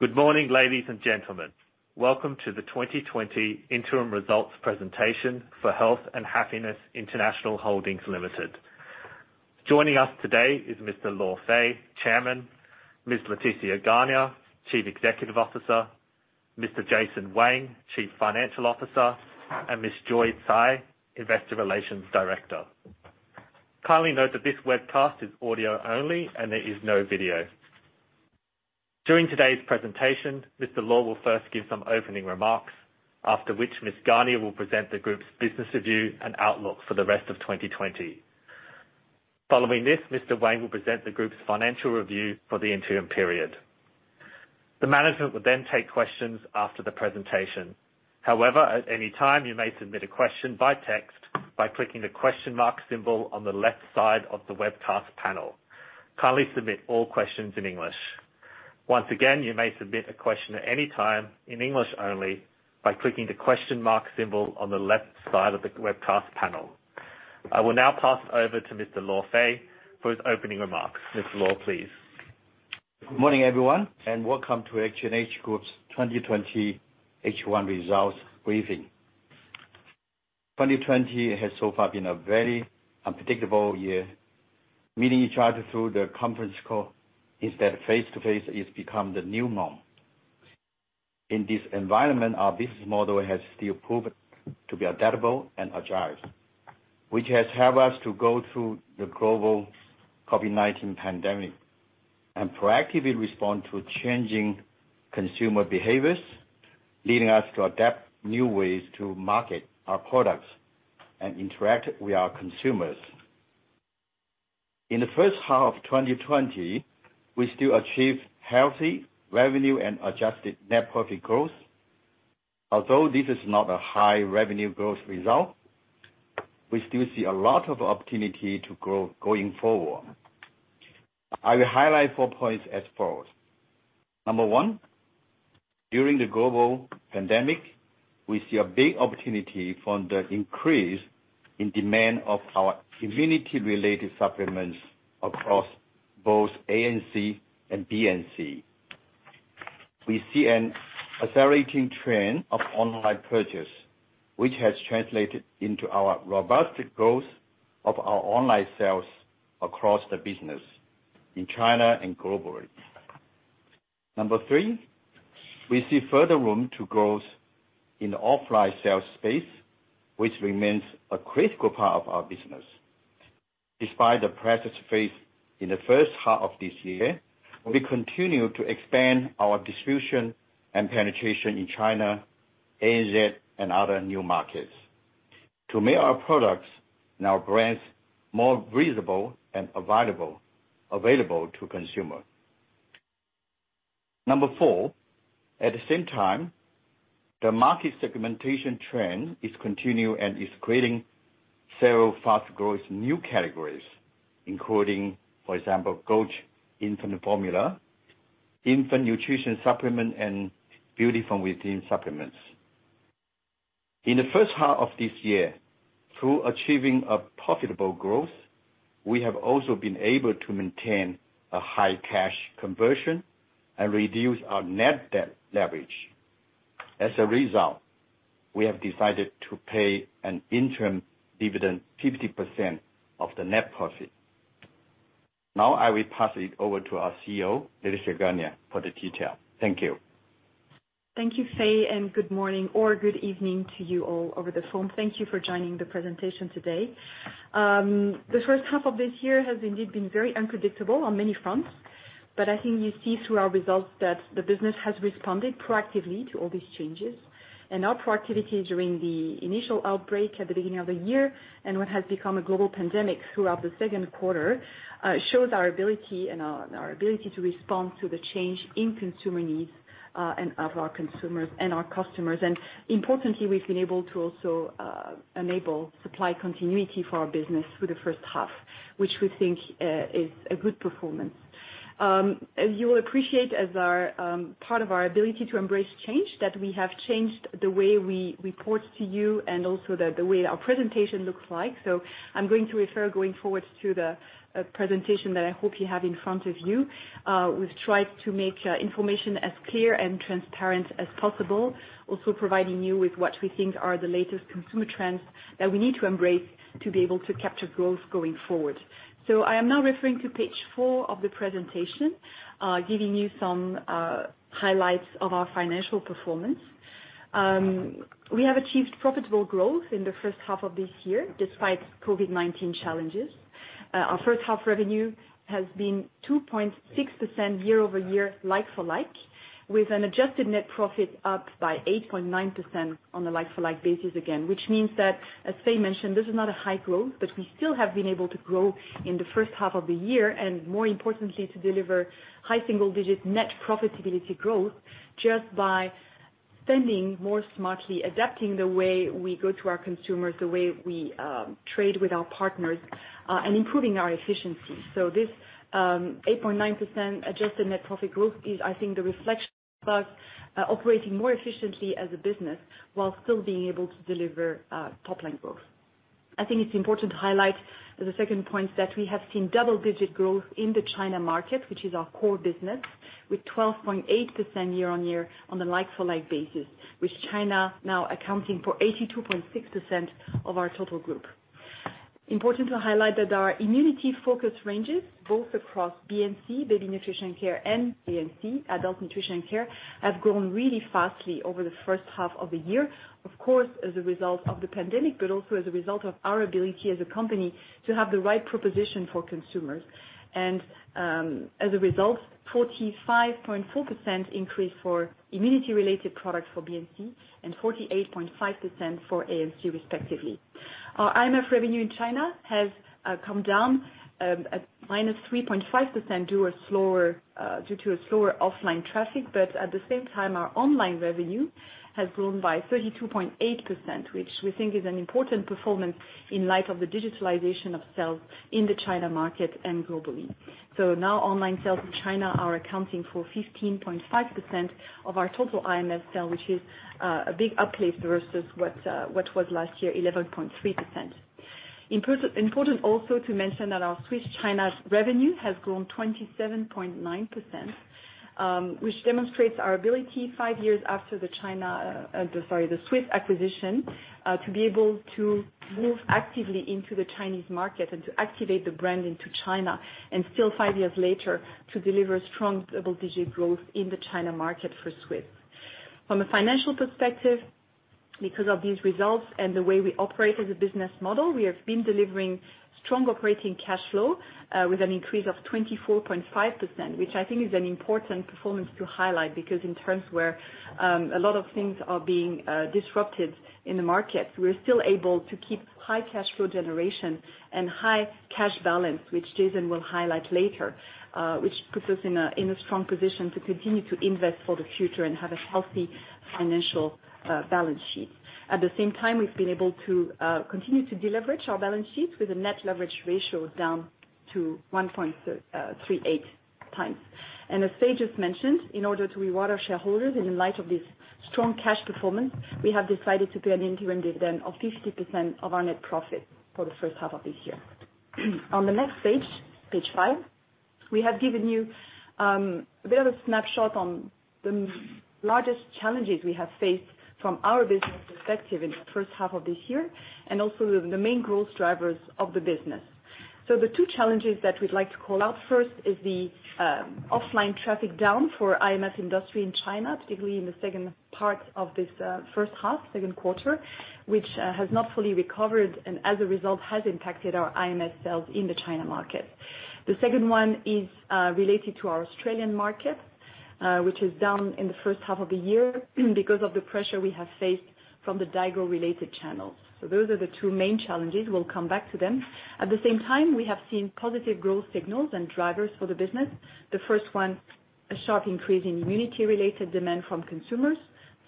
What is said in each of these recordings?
Good morning, ladies and gentlemen. Welcome to the 2020 Interim Results Presentation for Health and Happiness International Holdings Limited. Joining us today is Mr. Luo Fei, Chairman; Ms. Laetitia Garnier, Chief Executive Officer; Mr. Jason Wang, Chief Financial Officer; and Ms. Joy Tsai, Investor Relations Director. Kindly note that this webcast is audio only and there is no video. During today's presentation, Mr. Luo will first give some opening remarks, after which Ms. Garnier will present the group's business review and outlook for the rest of 2020. Following this, Mr. Wang will present the group's financial review for the interim period. The management will then take questions after the presentation. However, at any time, you may submit a question by text by clicking the question mark symbol on the left side of the webcast panel. Kindly submit all questions in English. Once again, you may submit a question at any time, in English only, by clicking the question mark symbol on the left side of the webcast panel. I will now pass it over to Mr. Luo Fei for his opening remarks. Mr. Luo, please. Good morning, everyone. Welcome to H&H Group's 2020 H1 Results Briefing. 2020 has so far been a very unpredictable year. Meeting each other through the conference call instead of face-to-face has become the new norm. In this environment, our business model has still proven to be adaptable and agile, which has helped us to go through the global COVID-19 pandemic and proactively respond to changing consumer behaviors, leading us to adapt new ways to market our products and interact with our consumers. In the first half of 2020, we still achieved healthy revenue and adjusted net profit growth. Although this is not a high revenue growth result, we still see a lot of opportunity to grow going forward. I will highlight four points as follows. Number one, during the global pandemic, we see a big opportunity from the increase in demand of our immunity-related supplements across both ANC and BNC. We see an accelerating trend of online purchase, which has translated into our robust growth of our online sales across the business in China and globally. Number three, we see further room to growth in the offline sales space, which remains a critical part of our business. Despite the pressures faced in the first half of this year, we continue to expand our distribution and penetration in China, ANZ, and other new markets to make our products and our brands more reasonable and available to consumers. Number four, at the same time, the market segmentation trend is continuing and is creating several fast-growth new categories, including, for example, goat infant formula, infant nutrition supplement, and beauty from within supplements. In the first half of this year, through achieving a profitable growth, we have also been able to maintain a high cash conversion and reduce our net debt leverage. As a result, we have decided to pay an interim dividend 50% of the net profit. Now, I will pass it over to our CEO, Laetitia Garnier, for the detail. Thank you. Thank you, Fei, good morning or good evening to you all over the phone. Thank you for joining the presentation today. The first half of this year has indeed been very unpredictable on many fronts. I think you see through our results that the business has responded proactively to all these changes. Our proactivity during the initial outbreak at the beginning of the year and what has become a global pandemic throughout the second quarter shows our ability to respond to the change in consumer needs and of our consumers and our customers. Importantly, we've been able to also enable supply continuity for our business through the first half, which we think is a good performance. You will appreciate as part of our ability to embrace change, that we have changed the way we report to you and also the way our presentation looks like. I'm going to refer going forward to the presentation that I hope you have in front of you. We've tried to make information as clear and transparent as possible, also providing you with what we think are the latest consumer trends that we need to embrace to be able to capture growth going forward. I am now referring to page four of the presentation, giving you some highlights of our financial performance. We have achieved profitable growth in the first half of this year, despite COVID-19 challenges. Our first half revenue has been 2.6% year-over-year, like-for-like, with an adjusted net profit up by 8.9% on a like-for-like basis again. Which means that, as Fei mentioned, this is not a high growth, but we still have been able to grow in the first half of the year and more importantly, to deliver high single-digit net profitability growth just by spending more smartly, adapting the way we go to our consumers, the way we trade with our partners, and improving our efficiency. This 8.9% adjusted net profit growth is, I think, the reflection of us operating more efficiently as a business while still being able to deliver top-line growth. I think it's important to highlight as a second point that we have seen double-digit growth in the China market, which is our core business, with 12.8% year-on-year on a like-for-like basis, with China now accounting for 82.6% of our total group. Important to highlight that our immunity focus ranges both across BNC, Baby Nutrition and Care, and ANC, Adult Nutrition and Care, have grown really fastly over the first half of the year, of course, as a result of the pandemic, but also as a result of our ability as a company to have the right proposition for consumers. As a result, 45.4% increase for immunity-related products for BNC and 48.5% for ANC, respectively. Our IMF revenue in China has come down at -3.5% due to a slower offline traffic, but at the same time, our online revenue has grown by 32.8%, which we think is an important performance in light of the digitalization of sales in the China market and globally. Now online sales in China are accounting for 15.5% of our total IMF sale, which is a big uplift versus what was last year, 11.3%. Important also to mention that our Swisse China revenue has grown 27.9%, which demonstrates our ability five years after the Swisse acquisition to be able to move actively into the Chinese market and to activate the brand into China, and still five years later, to deliver strong double-digit growth in the China market for Swisse. From a financial perspective, because of these results and the way we operate as a business model, we have been delivering strong operating cash flow with an increase of 24.5%, which I think is an important performance to highlight, because in terms where a lot of things are being disrupted in the market, we're still able to keep high cash flow generation and high cash balance, which Jason will highlight later, which puts us in a strong position to continue to invest for the future and have a healthy financial balance sheet. At the same time, we've been able to continue to deleverage our balance sheet with a net leverage ratio down to 1.38 times. As Luo Fei just mentioned, in order to reward our shareholders and in light of this strong cash performance, we have decided to pay an interim dividend of 50% of our net profit for the first half of this year. On the next page five, we have given you a bit of a snapshot on the largest challenges we have faced from our business perspective in the first half of this year, and also the main growth drivers of the business. The two challenges that we'd like to call out first is the offline traffic down for IMF industry in China, particularly in the second part of this first half, second quarter, which has not fully recovered and as a result has impacted our IMF sales in the China market. The second one is related to our Australian market, which is down in the first half of the year because of the pressure we have faced from the Daigou-related channels. Those are the two main challenges. We'll come back to them. At the same time, we have seen positive growth signals and drivers for the business. The first one, a sharp increase in immunity-related demand from consumers.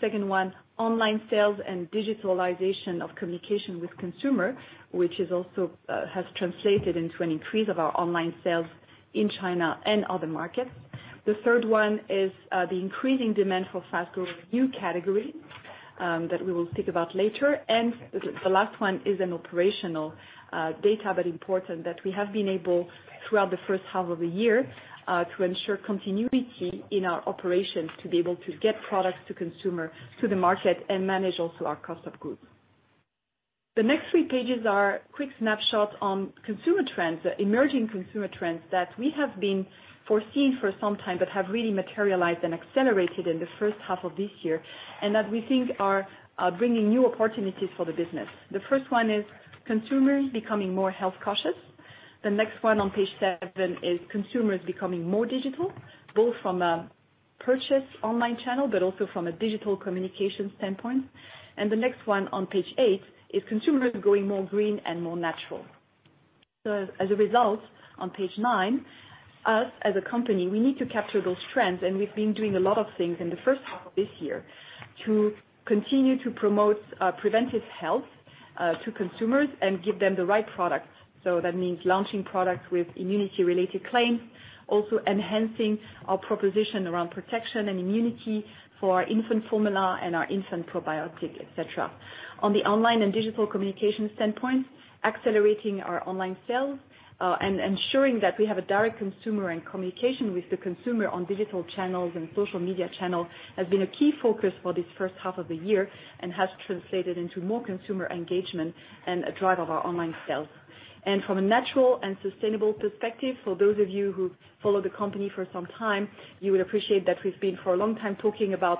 Second one, online sales and digitalization of communication with consumer, which has translated into an increase of our online sales in China and other markets. The third one is the increasing demand for fast-growing new categories that we will speak about later. The last one is an operational data, but important, that we have been able, throughout the first half of the year, to ensure continuity in our operations to be able to get products to consumer, to the market, and manage also our cost of goods. The next 3 pages are a quick snapshot on consumer trends, emerging consumer trends that we have been foreseeing for some time but have really materialized and accelerated in the first half of this year, and that we think are bringing new opportunities for the business. The first one is consumers becoming more health-cautious. The next one on page 7 is consumers becoming more digital, both from a purchase online channel, but also from a digital communication standpoint. The next one on page eight is consumers going more green and more natural. As a result, on page nine, us as a company, we need to capture those trends, and we've been doing a lot of things in the first half of this year to continue to promote preventive health to consumers and give them the right products. That means launching products with immunity-related claims, also enhancing our proposition around protection and immunity for our infant formula and our infant probiotic, et cetera. On the online and digital communication standpoint, accelerating our online sales, and ensuring that we have a direct consumer and communication with the consumer on digital channels and social media channels has been a key focus for this first half of the year and has translated into more consumer engagement and a drive of our online sales. From a natural and sustainable perspective, for those of you who follow the company for some time, you will appreciate that we've been, for a long time, talking about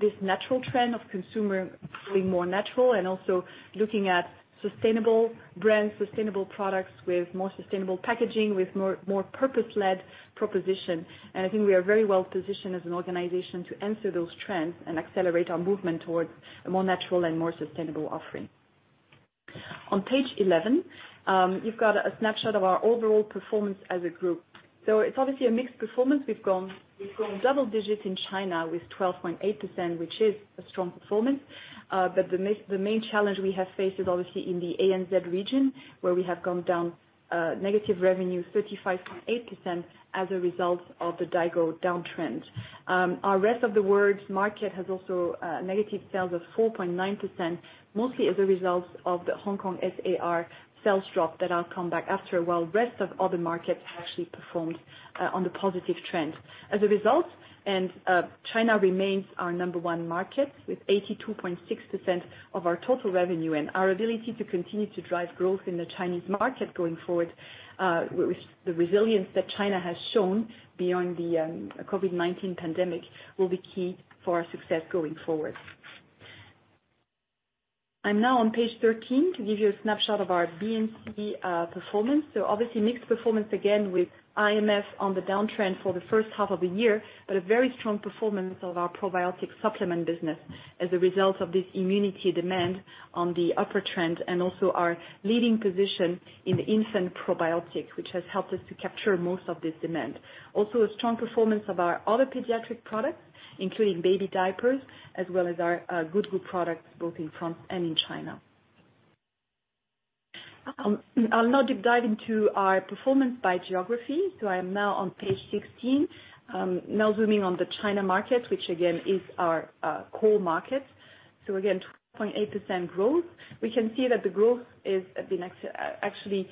this natural trend of consumer becoming more natural and also looking at sustainable brands, sustainable products with more sustainable packaging, with more purpose-led proposition. I think we are very well positioned as an organization to answer those trends and accelerate our movement towards a more natural and more sustainable offering. On page 11, you've got a snapshot of our overall performance as a group. It's obviously a mixed performance. We've grown double digits in China with 12.8%, which is a strong performance. The main challenge we have faced is obviously in the ANZ region, where we have gone down negative revenue 35.8% as a result of the Daigou growth downtrend. Our rest of the world market has also negative sales of 4.9%, mostly as a result of the Hong Kong SAR sales drop that I'll come back after a while. Rest of other markets actually performed on the positive trend. As a result, China remains our number one market with 82.6% of our total revenue, and our ability to continue to drive growth in the Chinese market going forward, with the resilience that China has shown beyond the COVID-19 pandemic will be key for our success going forward. I'm now on page 13 to give you a snapshot of our BNC performance. Obviously mixed performance again with IMF on the downtrend for the first half of the year, but a very strong performance of our probiotic supplement business as a result of this immunity demand on the upward trend, and also our leading position in infant probiotics, which has helped us to capture most of this demand. Also a strong performance of our other pediatric products, including baby diapers, as well as our GOOD GOÛT products both in France and in China. I will now deep dive into our performance by geography. I am now on page 16. Now zooming on the China market, which again is our core market. Again, 12.8% growth. We can see that the growth is actually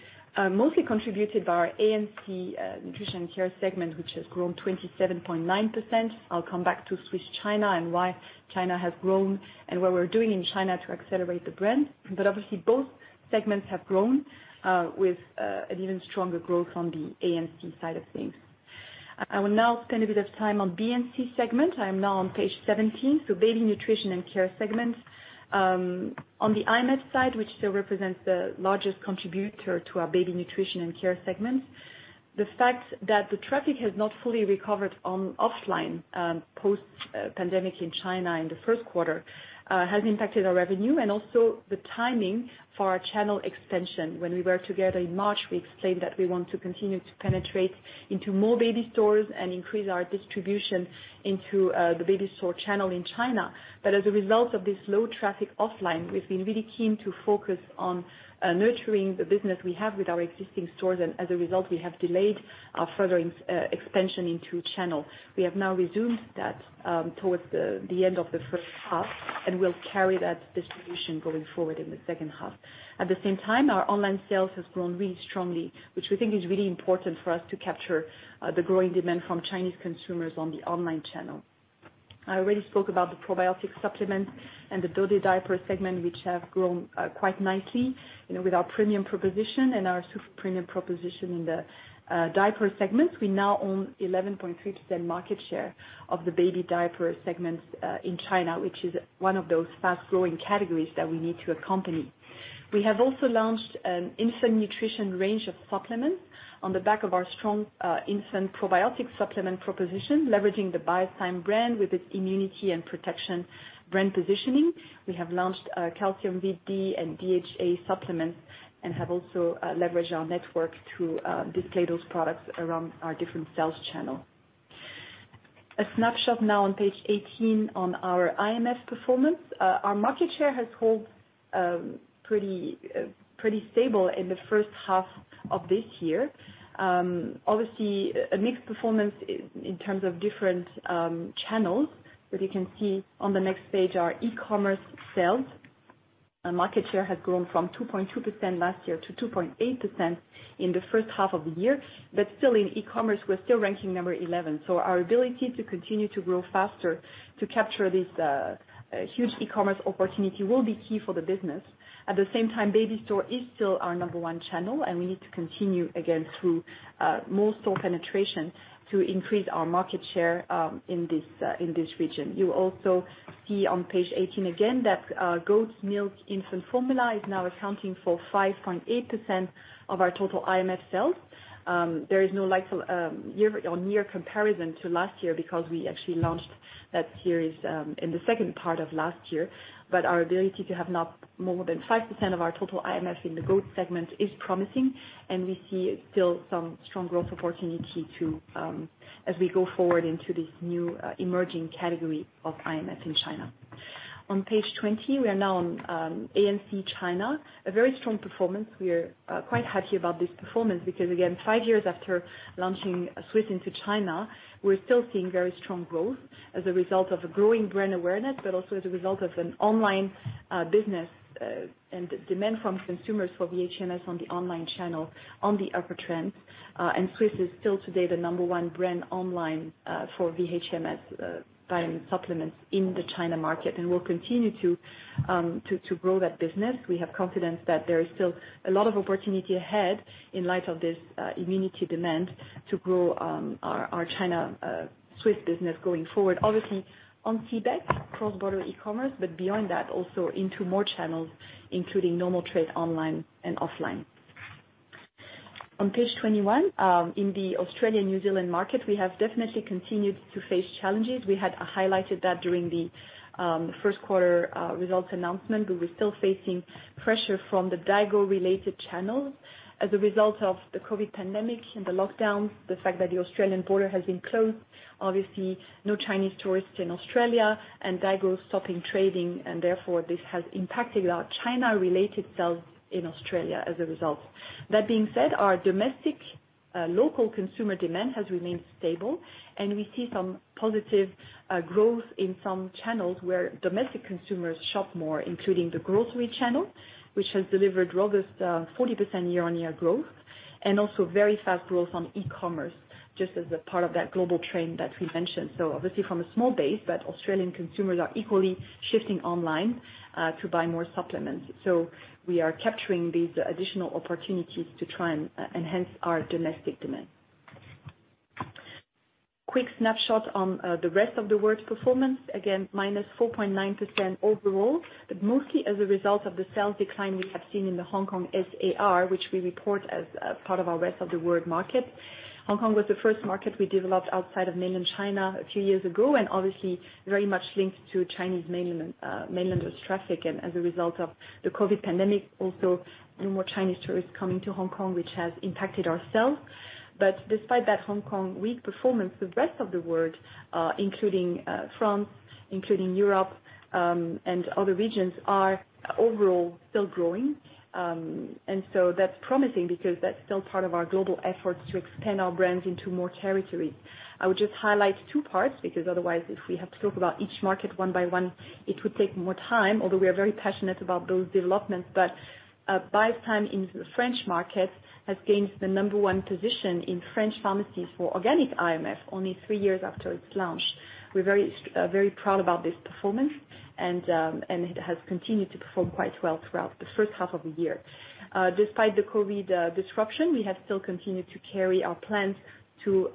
mostly contributed by our ANC nutrition care segment, which has grown 27.9%. I'll come back to Swisse China and why China has grown and what we're doing in China to accelerate the brand. Obviously both segments have grown, with an even stronger growth on the ANC side of things. I will now spend a bit of time on BNC segment. I am now on page 17, so Baby Nutrition and Care segment. On the IMF side, which still represents the largest contributor to our Baby Nutrition and Care segment, the fact that the traffic has not fully recovered on offline, post-pandemic in China in the first quarter, has impacted our revenue and also the timing for our channel extension. When we were together in March, we explained that we want to continue to penetrate into more baby stores and increase our distribution into the baby store channel in China. As a result of this low traffic offline, we have been really keen to focus on nurturing the business we have with our existing stores, and as a result, we have delayed our further expansion into channel. We have now resumed that towards the end of the first half, and we will carry that distribution going forward in the second half. At the same time, our online sales has grown really strongly, which we think is really important for us to capture the growing demand from Chinese consumers on the online channel. I already spoke about the probiotic supplements and the Dodie diaper segment, which have grown quite nicely with our premium proposition and our super premium proposition in the diaper segment. We now own 11.3% market share of the baby diaper segments in China, which is one of those fast-growing categories that we need to accompany. We have also launched an infant nutrition range of supplements on the back of our strong infant probiotic supplement proposition, leveraging the Biostime brand with its immunity and protection brand positioning. We have launched calcium VD and DHA supplements and have also leveraged our network to display those products around our different sales channels. A snapshot now on page 18 on our IMF performance. Our market share has held pretty stable in the first half of this year. Obviously, a mixed performance in terms of different channels, but you can see on the next page our e-commerce sales. Market share has grown from 2.2% last year to 2.8% in the first half of the year. Still in e-commerce, we're still ranking number 11. Our ability to continue to grow faster to capture this huge e-commerce opportunity will be key for the business. At the same time, baby store is still our number one channel, and we need to continue again through more store penetration to increase our market share in this region. You also see on page 18 again that goat's milk infant formula is now accounting for 5.8% of our total IMF sales. There is no year-on-year comparison to last year because we actually launched that series in the second part of last year. Our ability to have now more than 5% of our total IMF in the goat segment is promising, and we see still some strong growth opportunity as we go forward into this new emerging category of IMF in China. On page 20, we are now on ANC China, a very strong performance. We are quite happy about this performance because again, five years after launching Swisse into China, we're still seeing very strong growth as a result of a growing brand awareness, but also as a result of an online business, and demand from consumers for VHMS on the online channel on the upward trend. Swisse is still today the number 1 brand online for VHMS vitamin supplements in the China market, and we'll continue to grow that business. We have confidence that there is still a lot of opportunity ahead in light of this immunity demand to grow our China Swisse business going forward, obviously on CBEC, cross-border e-commerce, but beyond that, also into more channels, including normal trade, online and offline. On page 21, in the Australian, New Zealand market, we have definitely continued to face challenges. We had highlighted that during the first quarter results announcement. We were still facing pressure from the Daigou related channels as a result of the COVID-19 pandemic and the lockdowns, the fact that the Australian border has been closed. Obviously, no Chinese tourists in Australia and Daigou stopping trading, and therefore, this has impacted our China related sales in Australia as a result. That being said, our domestic local consumer demand has remained stable. We see some positive growth in some channels where domestic consumers shop more, including the grocery channel, which has delivered robust 40% year-on-year growth. Also very fast growth on e-commerce, just as a part of that global trend that we mentioned. Obviously from a small base, but Australian consumers are equally shifting online to buy more supplements. We are capturing these additional opportunities to try and enhance our domestic demand. Quick snapshot on the rest of the world's performance. -4.9% overall, but mostly as a result of the sales decline we have seen in the Hong Kong SAR, which we report as part of our rest of the world market. Hong Kong was the first market we developed outside of mainland China a few years ago, and obviously very much linked to Chinese mainlanders traffic and as a result of the COVID pandemic also, no more Chinese tourists coming to Hong Kong, which has impacted our sales. Despite that Hong Kong weak performance, the rest of the world, including France, including Europe, and other regions, are overall still growing. That's promising because that's still part of our global efforts to expand our brands into more territories. I would just highlight two parts, because otherwise, if we have to talk about each market one by one, it would take more time, although we are very passionate about those developments. Biostime in the French market has gained the number one position in French pharmacies for organic IMF only three years after its launch. We're very proud about this performance, and it has continued to perform quite well throughout the first half of the year. Despite the COVID disruption, we have still continued to carry our plans to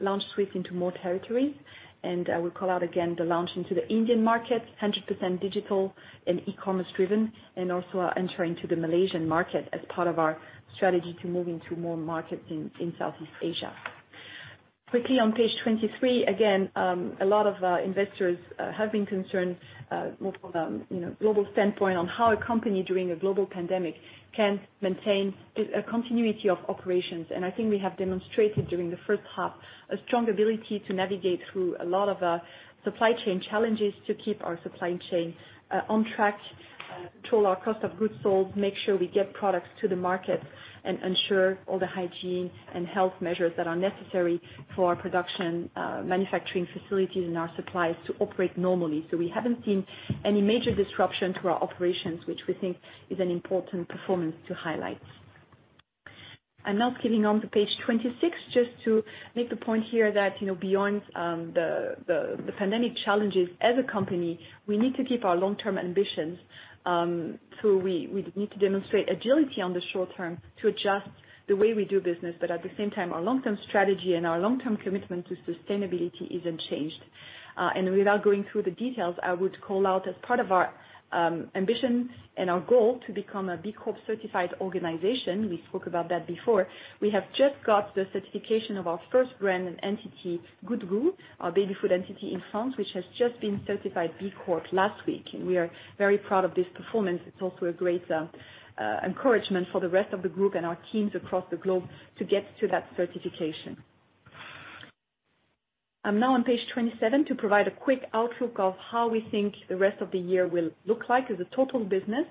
launch Swisse into more territories, and I will call out again the launch into the Indian market, 100% digital and e-commerce driven, and also our entering to the Malaysian market as part of our strategy to move into more markets in Southeast Asia. Quickly on page 23, again, a lot of investors have been concerned, more from a global standpoint, on how a company during a global pandemic can maintain a continuity of operations. I think we have demonstrated during the first half a strong ability to navigate through a lot of supply chain challenges to keep our supply chain on track, control our cost of goods sold, make sure we get products to the market, and ensure all the hygiene and health measures that are necessary for our production, manufacturing facilities, and our suppliers to operate normally. We haven't seen any major disruption to our operations, which we think is an important performance to highlight. I'm now clicking on to page 26 just to make the point here that, beyond the pandemic challenges as a company, we need to keep our long-term ambitions. We need to demonstrate agility on the short term to adjust the way we do business. At the same time, our long-term strategy and our long-term commitment to sustainability isn't changed. Without going through the details, I would call out as part of our ambition and our goal to become a B Corp certified organization, we spoke about that before. We have just got the certification of our first brand and entity, GOOD GOÛT, our baby food entity in France, which has just been certified B Corp last week, and we are very proud of this performance. It's also a great encouragement for the rest of the group and our teams across the globe to get to that certification. I'm now on page 27 to provide a quick outlook of how we think the rest of the year will look like as a total business.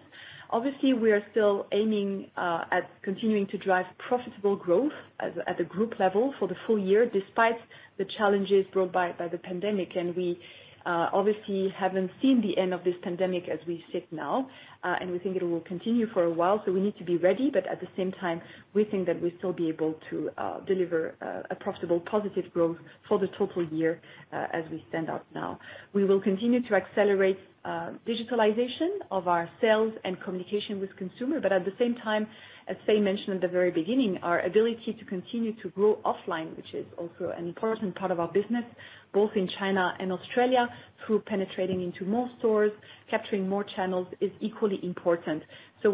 Obviously, we are still aiming at continuing to drive profitable growth at the group level for the full year, despite the challenges brought by the pandemic. We obviously haven't seen the end of this pandemic as we sit now, and we think it will continue for a while, so we need to be ready, but at the same time, we think that we'll still be able to deliver a profitable, positive growth for the total year as we stand out now. We will continue to accelerate digitalization of our sales and communication with consumer. At the same time, as Fei mentioned at the very beginning, our ability to continue to grow offline, which is also an important part of our business, both in China and Australia, through penetrating into more stores, capturing more channels, is equally important.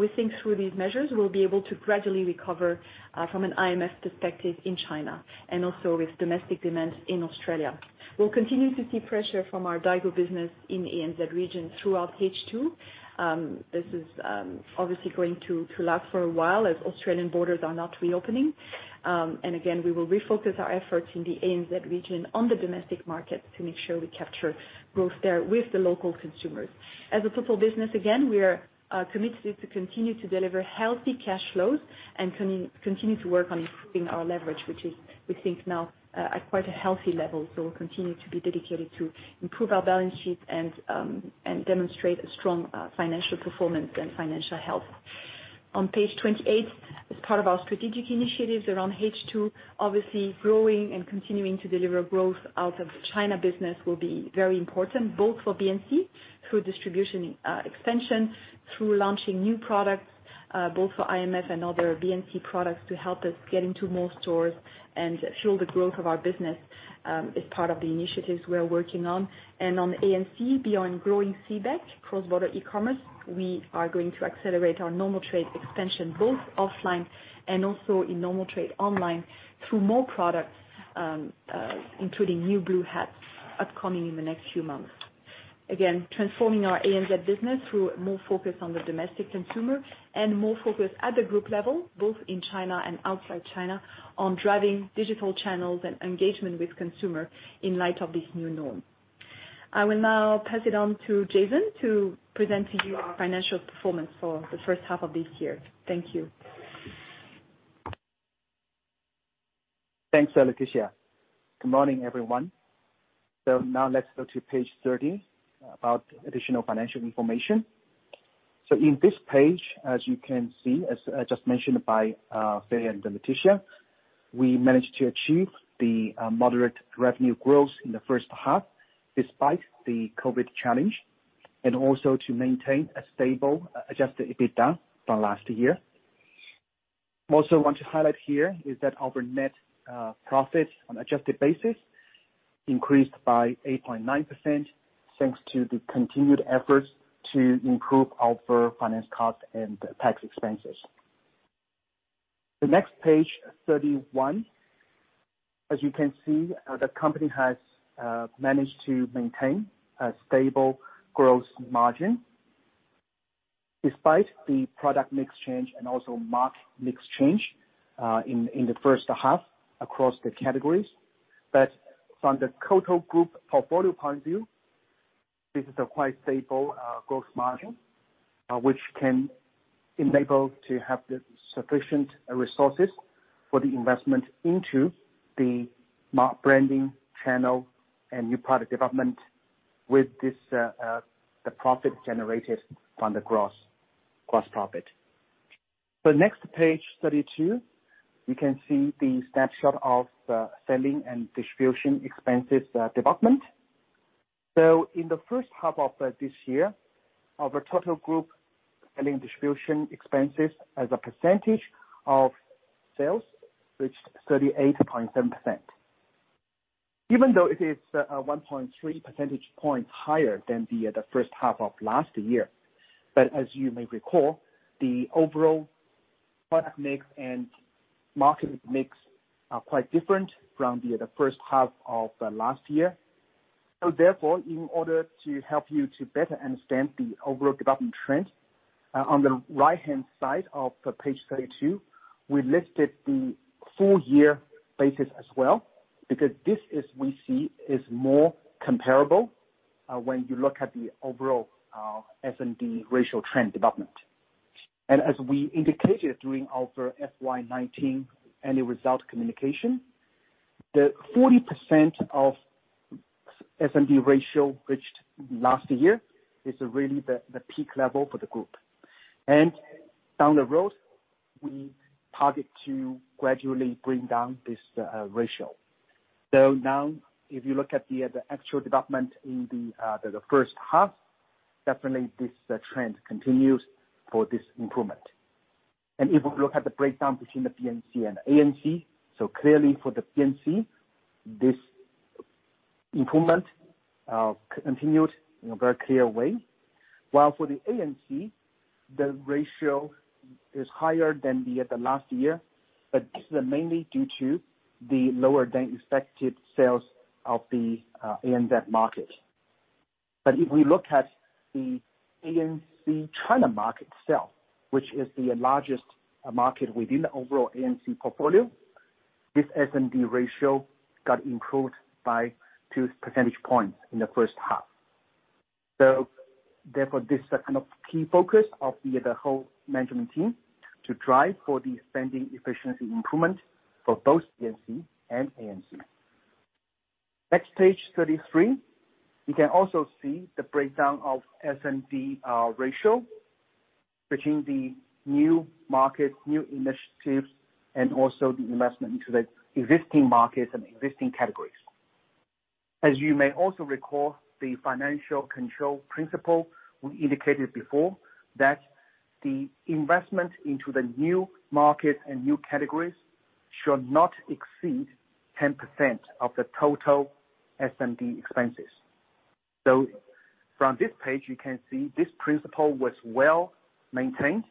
We think through these measures, we'll be able to gradually recover from an IMF perspective in China and also with domestic demand in Australia. We'll continue to see pressure from our Daigou business in the ANZ region throughout H2. This is obviously going to last for a while as Australian borders are not reopening. Again, we will refocus our efforts in the ANZ region on the domestic market to make sure we capture growth there with the local consumers. As a total business, again, we are committed to continue to deliver healthy cash flows and continue to work on improving our leverage, which is we think now at quite a healthy level. We'll continue to be dedicated to improve our balance sheet and demonstrate a strong financial performance and financial health. On page 28, as part of our strategic initiatives around H2, obviously growing and continuing to deliver growth out of China business will be very important, both for BNC through distribution expansion, through launching new products. Both for Biostime and other BNC products to help us get into more stores and fuel the growth of our business is part of the initiatives we are working on. On ANC, beyond growing CBEC, cross-border e-commerce, we are going to accelerate our normal trade expansion, both offline and also in normal trade online, through more products, including new blue hats upcoming in the next few months. Transforming our ANZ business through more focus on the domestic consumer and more focus at the group level, both in China and outside China, on driving digital channels and engagement with consumer in light of this new norm. I will now pass it on to Jason to present to you our financial performance for the first half of this year. Thank you. Thanks, Laetitia. Good morning, everyone. Now let's go to page 30 about additional financial information. In this page, as you can see, as just mentioned by Fei and Laetitia, we managed to achieve the moderate revenue growth in the first half, despite the COVID challenge, and also to maintain a stable adjusted EBITDA from last year. Also want to highlight here is that our net profit on adjusted basis increased by 8.9%, thanks to the continued efforts to improve our finance cost and tax expenses. The next page, 31. As you can see, the company has managed to maintain a stable gross margin despite the product mix change and also market mix change in the first half across the categories. From the total group portfolio point of view, this is a quite stable gross margin, which can enable to have the sufficient resources for the investment into the mark branding channel and new product development with the profit generated from the gross profit. Next page 32. You can see the snapshot of the selling and distribution expenses development. In the first half of this year, our total group selling distribution expenses as a percentage of sales reached 38.7%. Even though it is 1.3 percentage points higher than the first half of last year, but as you may recall, the overall product mix and market mix are quite different from the first half of last year. In order to help you to better understand the overall development trend, on the right-hand side of page 32, we listed the full year basis as well, because this as we see is more comparable when you look at the overall S&D ratio trend development. As we indicated during our FY 2019 annual result communication, the 40% of S&D ratio reached last year is really the peak level for the group. Down the road, we target to gradually bring down this ratio. If you look at the actual development in the first half, definitely this trend continues for this improvement. If we look at the breakdown between the BNC and ANC, clearly for the BNC, this improvement continued in a very clear way. While for the ANC, the ratio is higher than the last year, but this is mainly due to the lower than expected sales of the ANZ market. If we look at the ANC China market itself, which is the largest market within the overall ANC portfolio, this S&D ratio got improved by 2 percentage points in the first half. Therefore, this is a kind of key focus of the whole management team to drive for the spending efficiency improvement for both BNC and ANC. Next page, 33. You can also see the breakdown of S&D ratio between the new markets, new initiatives, and also the investment into the existing markets and existing categories. As you may also recall, the financial control principle, we indicated before that the investment into the new market and new categories should not exceed 10% of the total S&D expenses. From this page, you can see this principle was well-maintained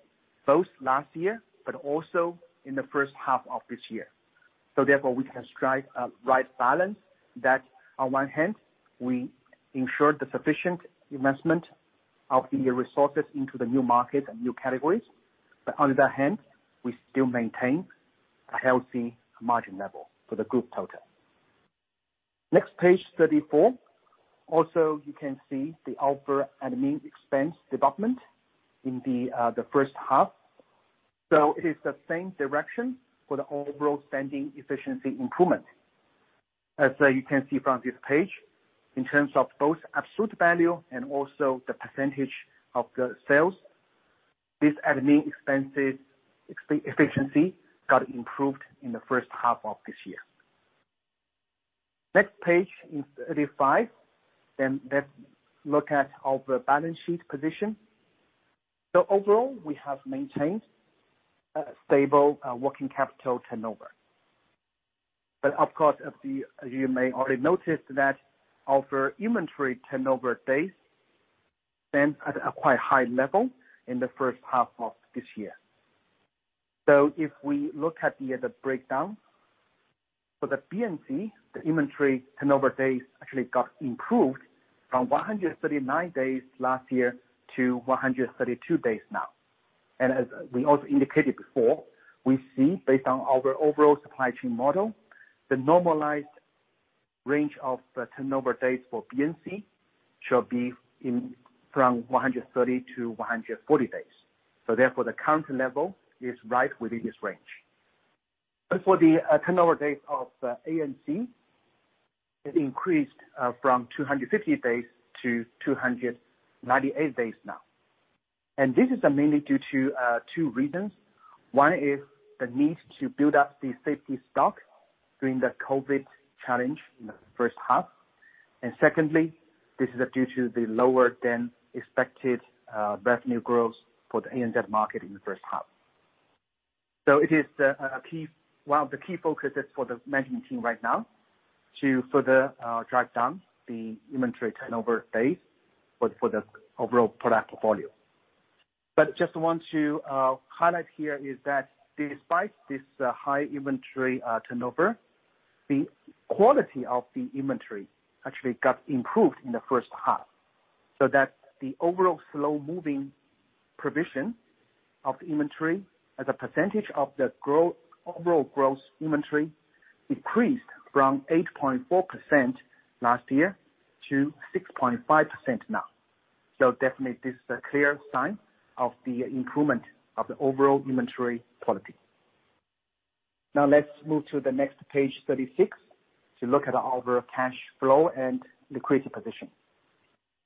both last year, but also in the first half of this year. Therefore, we can strike a right balance that on one hand, we ensure the sufficient investment of the resources into the new market and new categories, but on the other hand, we still maintain a healthy margin level for the group total. Next page 34. Also, you can see the overall admin expense development in the first half. It is the same direction for the overall spending efficiency improvement. As you can see from this page, in terms of both absolute value and also the percentage of the sales, this admin efficiency got improved in the first half of this year. Next page is 35. Let's look at our balance sheet position. Overall, we have maintained a stable working capital turnover. Of course, as you may already noticed that our inventory turnover days stand at a quite high level in the first half of this year. If we look at the other breakdown. For the BNC, the inventory turnover days actually got improved from 139 days last year to 132 days now. As we also indicated before, we see based on our overall supply chain model, the normalized range of turnover days for BNC shall be from 130-140 days. Therefore, the current level is right within this range. As for the turnover days of ANC, it increased from 250 days-298 days now. This is mainly due to two reasons. One is the need to build up the safety stock during the COVID-19 challenge in the first half. Secondly, this is due to the lower than expected revenue growth for the ANZ market in the first half. It is one of the key focuses for the management team right now to further drive down the inventory turnover days for the overall product portfolio. Just want to highlight here is that despite this high inventory turnover, the quality of the inventory actually got improved in the first half, so that the overall slow-moving provision of the inventory as a percentage of the overall gross inventory decreased from 8.4% last year-6.5% now. Definitely, this is a clear sign of the improvement of the overall inventory quality. Let's move to the next page 36 to look at our cash flow and liquidity position.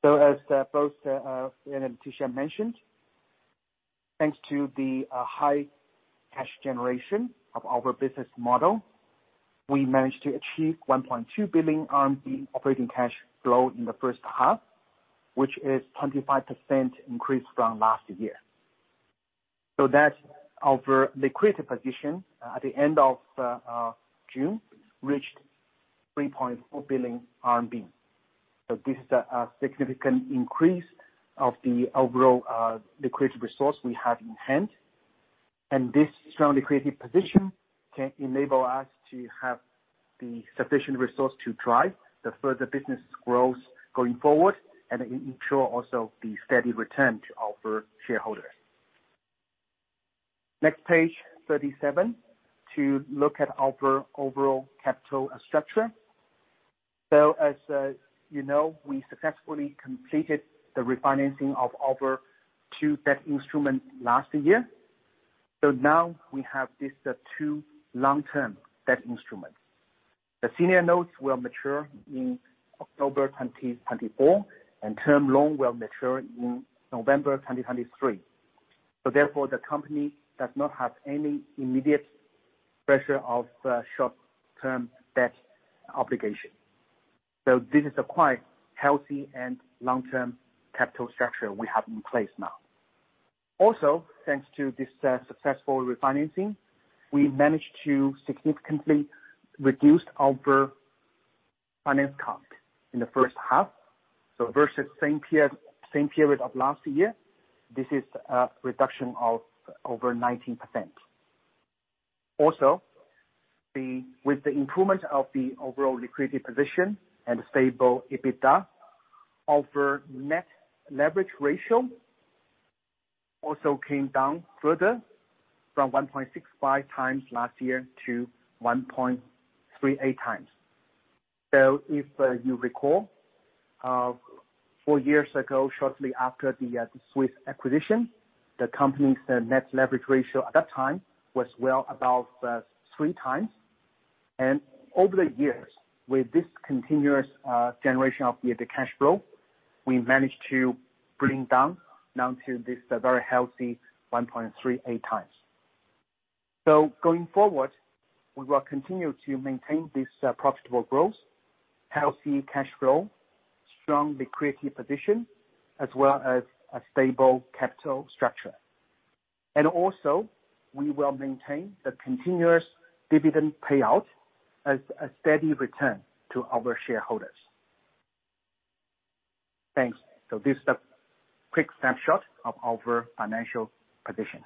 As both Fei and Laetitia mentioned, thanks to the high cash generation of our business model, we managed to achieve 1.2 billion RMB operating cash flow in the first half, which is 25% increase from last year. That's our liquidity position at the end of June, reached 3.4 billion RMB. This is a significant increase of the overall liquidity resource we have in hand, and this strong liquidity position can enable us to have the sufficient resource to drive the further business growth going forward and ensure also the steady return to our shareholders. Next, page 37 to look at our overall capital structure. As you know, we successfully completed the refinancing of our two debt instrument last year. Now we have these two long-term debt instruments. The senior notes will mature in October 2024, and term loan will mature in November 2023. Therefore, the company does not have any immediate pressure of short-term debt obligation. This is a quite healthy and long-term capital structure we have in place now. Also, thanks to this successful refinancing, we managed to significantly reduce our finance cost in the first half. Versus same period of last year, this is a reduction of over 19%. Also, with the improvement of the overall liquidity position and stable EBITDA, our net leverage ratio also came down further from 1.65 times last year to 1.38 times. If you recall, four years ago, shortly after the Swisse acquisition, the company's net leverage ratio at that time was well above three times. Over the years, with this continuous generation of the cash flow, we managed to bring down now to this very healthy 1.38 times. Going forward, we will continue to maintain this profitable growth, healthy cash flow, strong liquidity position, as well as a stable capital structure. Also, we will maintain the continuous dividend payout as a steady return to our shareholders. Thanks. This is a quick snapshot of our financial position.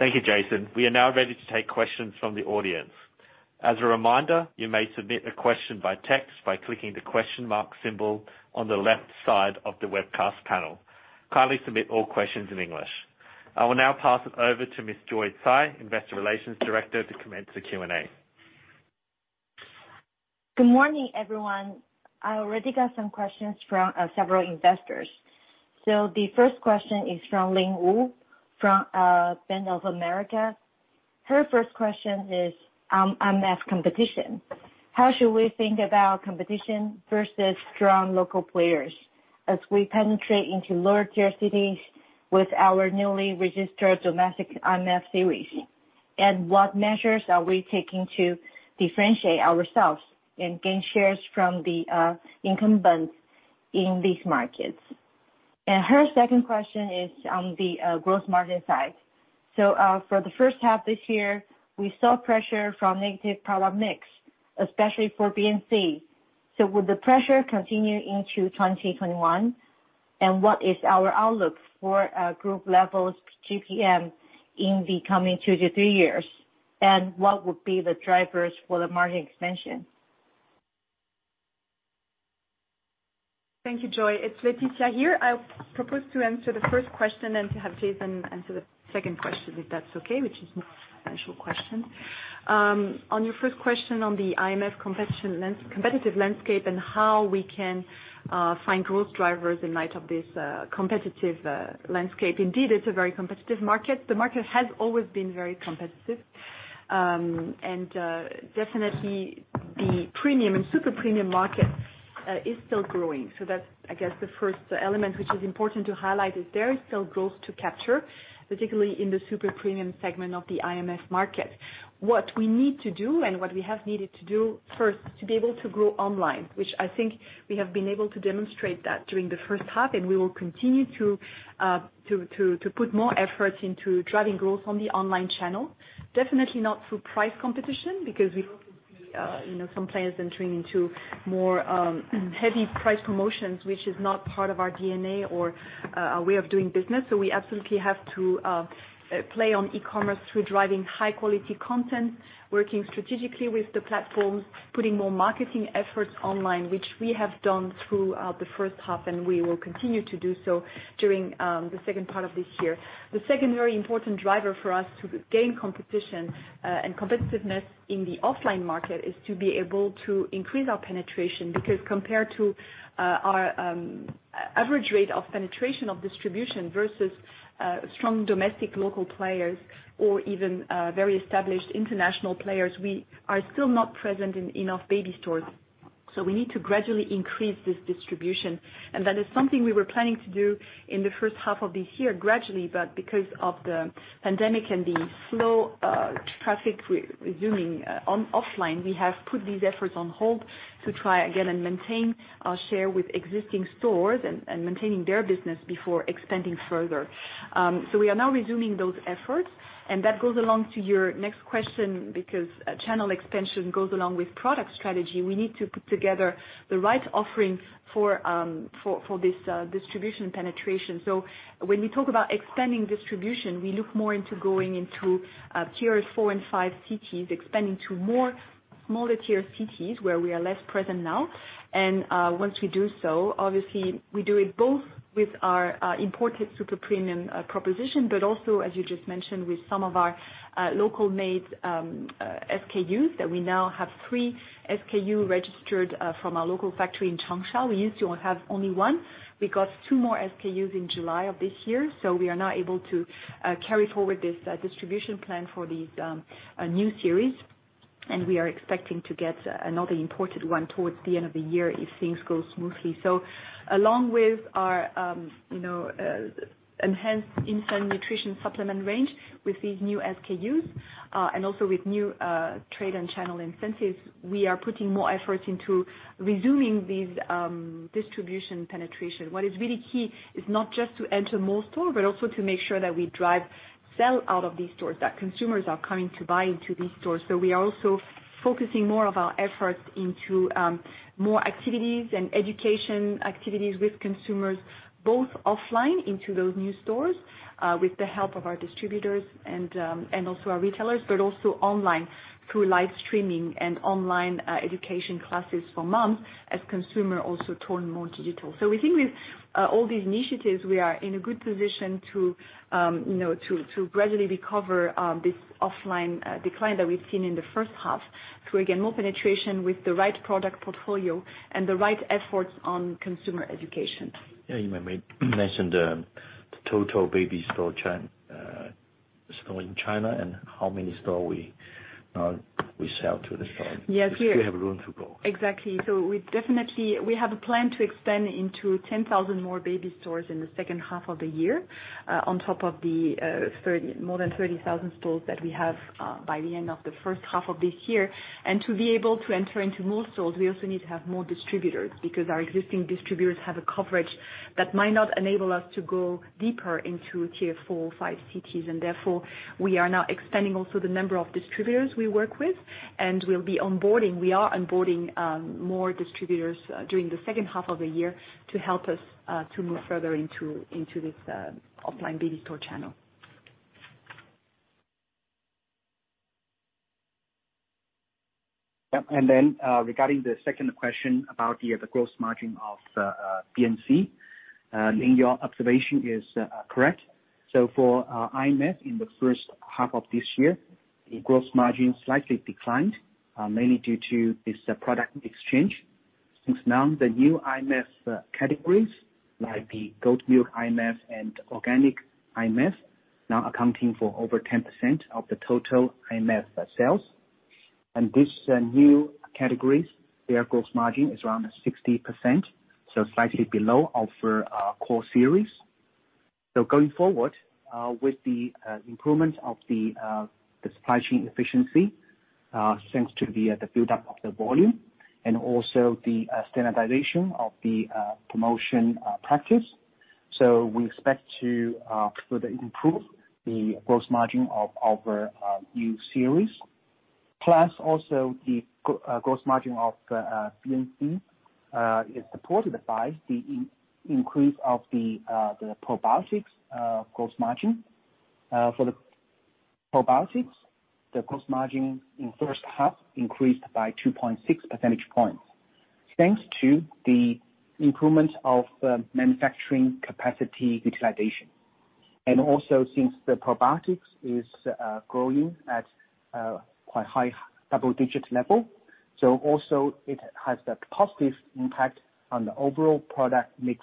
Thank you, Jason. We are now ready to take questions from the audience. As a reminder, you may submit a question by text by clicking the question mark symbol on the left side of the webcast panel. Kindly submit all questions in English. I will now pass it over to Ms. Joy Tsai, Investor Relations Director, to commence the Q&A. Good morning, everyone. I already got some questions from several investors. The first question is from Ling Wu from Bank of America. Her first question is on IMF competition. How should we think about competition versus strong local players as we penetrate into lower tier cities with our newly registered domestic IMF series? What measures are we taking to differentiate ourselves and gain shares from the incumbents in these markets? Her second question is on the gross margin side. For the first half this year, we saw pressure from negative product mix, especially for BNC. Will the pressure continue into 2021? What is our outlook for group levels GPM in the coming two to three years? What would be the drivers for the margin expansion? Thank you, Joy. It's Laetitia here. I propose to answer the first question and to have Jason answer the second question, if that's okay, which is more a financial question. On your first question on the IMF competitive landscape and how we can find growth drivers in light of this competitive landscape. Indeed, it's a very competitive market. The market has always been very competitive. Definitely the premium and super premium market is still growing. That's, I guess the first element which is important to highlight is there is still growth to capture, particularly in the super premium segment of the IMF market. What we need to do and what we have needed to do first, to be able to grow online, which I think we have been able to demonstrate that during the first half, and we will continue to put more effort into driving growth on the online channel. Definitely not through price competition, because we also see some players entering into more heavy price promotions, which is not part of our DNA or our way of doing business. We absolutely have to play on e-commerce through driving high quality content, working strategically with the platforms, putting more marketing efforts online, which we have done throughout the first half, and we will continue to do so during the second part of this year. The second very important driver for us to gain competition and competitiveness in the offline market is to be able to increase our penetration, because compared to our average rate of penetration of distribution versus strong domestic local players or even very established international players, we are still not present in enough baby stores. We need to gradually increase this distribution, and that is something we were planning to do in the first half of this year gradually, but because of the pandemic and the slow traffic resuming offline, we have put these efforts on hold to try again and maintain our share with existing stores and maintaining their business before expanding further. We are now resuming those efforts, and that goes along to your next question, because channel expansion goes along with product strategy. We need to put together the right offerings for this distribution penetration. When we talk about expanding distribution, we look more into going into tiers 4 and 5 cities, expanding to more smaller tier cities where we are less present now. Once we do so, obviously we do it both with our imported super premium proposition, but also, as you just mentioned, with some of our local-made SKUs, that we now have three SKU registered from our local factory in Changsha. We used to have only one. We got two more SKUs in July of this year. We are now able to carry forward this distribution plan for these new series. We are expecting to get another imported one towards the end of the year if things go smoothly. Along with our enhanced infant nutrition supplement range with these new SKUs, and also with new trade and channel incentives, we are putting more effort into resuming these distribution penetration. What is really key is not just to enter more store, but also to make sure that we drive sell out of these stores, that consumers are coming to buy into these stores. We are also focusing more of our efforts into more activities and education activities with consumers, both offline into those new stores, with the help of our distributors and also our retailers, but also online through live streaming and online education classes for moms as consumer also turn more digital. We think with all these initiatives, we are in a good position to gradually recover this offline decline that we've seen in the first half through, again, more penetration with the right product portfolio and the right efforts on consumer education. Yeah, you mentioned the total baby store in China and how many store we sell to the store. Yes. We still have room to grow. Exactly. We have a plan to expand into 10,000 more baby stores in the second half of the year, on top of the more than 30,000 stores that we have by the end of the first half of this year. To be able to enter into more stores, we also need to have more distributors, because our existing distributors have a coverage that might not enable us to go deeper into tier four or five cities. Therefore, we are now expanding also the number of distributors we work with. We are onboarding more distributors during the second half of the year to help us to move further into this offline baby store channel. Yep. Regarding the second question about the gross margin of BNC, Ling Wu observation is correct. For IMF, in the first half of this year, the gross margin slightly declined, mainly due to this product exchange, since now the new IMF categories, like the goat milk IMF and organic IMF, now accounting for over 10% of the total IMF sales. This new categories, their gross margin is around 60%, so slightly below our core series. Going forward, with the improvement of the supply chain efficiency, thanks to the buildup of the volume and also the standardization of the promotion practice. We expect to further improve the gross margin of our new series. Plus also the gross margin of BNC is supported by the increase of the probiotics gross margin. For the probiotics, the gross margin in first half increased by 2.6 percentage points. Thanks to the improvements of manufacturing capacity utilization. Since the probiotics is growing at quite high double-digit level, it has a positive impact on the overall product mix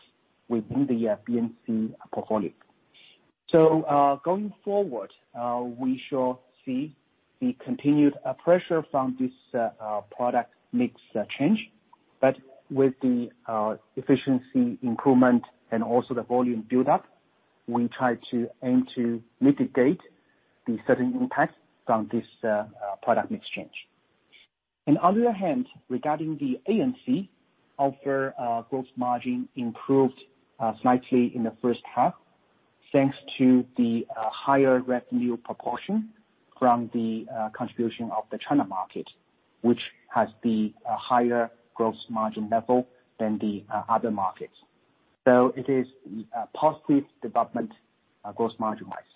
within the BNC portfolio. Going forward, we shall see the continued pressure from this product mix change, but with the efficiency improvement and also the volume buildup, we try to aim to mitigate the certain impacts from this product mix change. On other hand, regarding the ANC, our gross margin improved slightly in the first half thanks to the higher revenue proportion from the contribution of the China market, which has the higher gross margin level than the other markets. It is a positive development gross margin-wise.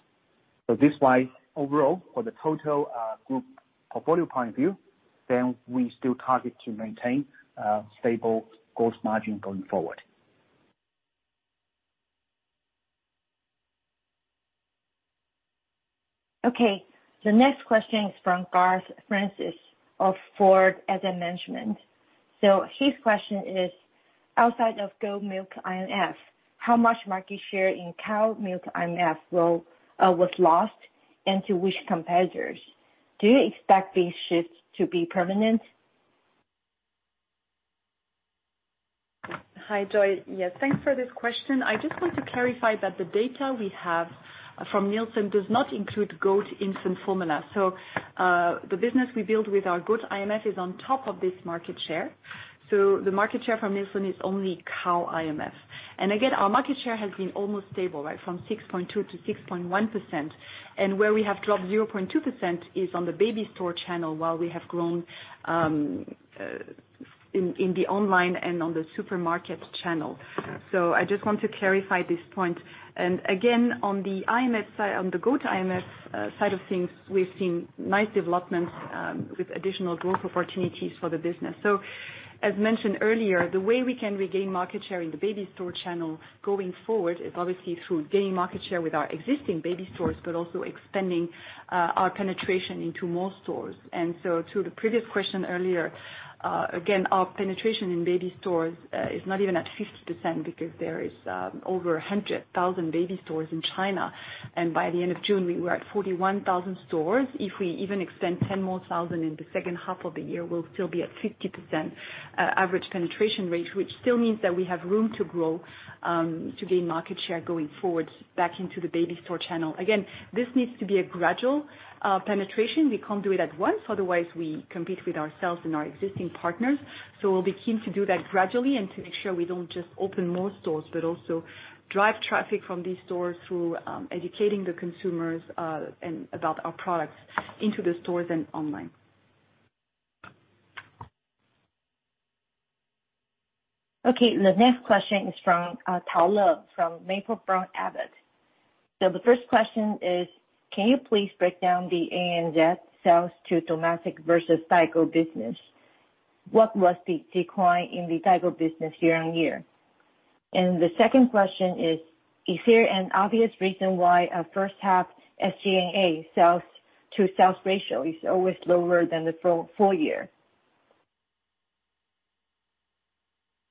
This is why overall for the total group portfolio point of view, we still target to maintain a stable gross margin going forward. Okay. The next question is from Garth Francis of Foord Asset Management. His question is, outside of goat milk IMF, how much market share in cow milk IMF was lost and to which competitors? Do you expect these shifts to be permanent? Hi, Joy. Thanks for this question. I just want to clarify that the data we have from Nielsen does not include goat infant formula. The business we build with our goat IMF is on top of this market share. The market share from Nielsen is only cow IMF. Again, our market share has been almost stable, from 6.2%-6.1%, and where we have dropped 0.2% is on the baby store channel, while we have grown in the online and on the supermarket channel. I just want to clarify this point. Again, on the goat IMF side of things, we've seen nice developments with additional growth opportunities for the business. As mentioned earlier, the way we can regain market share in the baby store channel going forward is obviously through gaining market share with our existing baby stores, but also expanding our penetration into more stores. To the previous question earlier, again, our penetration in baby stores is not even at 50% because there is over 100,000 baby stores in China, and by the end of June, we were at 41,000 stores. If we even extend 10,000 more in the second half of the year, we'll still be at 50% average penetration rate, which still means that we have room to grow, to gain market share going forward back into the baby store channel. Again, this needs to be a gradual penetration. We can't do it at once, otherwise we compete with ourselves and our existing partners. We'll be keen to do that gradually and to make sure we don't just open more stores, but also drive traffic from these stores through educating the consumers about our products into the stores and online. Okay. The next question is from Taolo from Maple-Brown Abbott. The first question is, can you please break down the ANC sales to domestic versus Daigou business? What was the decline in the Daigou business year-on-year? The second question is there an obvious reason why first half SG&A sales to sales ratio is always lower than the full year?